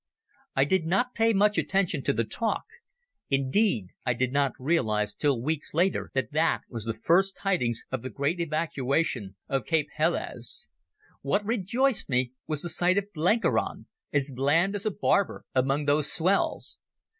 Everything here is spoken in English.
I did not pay much attention to the talk; indeed I did not realize till weeks later that that was the first tidings of the great evacuation of Cape Helles. What rejoiced me was the sight of Blenkiron, as bland as a barber among those swells.